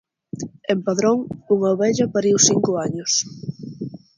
En Padrón, unha ovella pariu cinco años.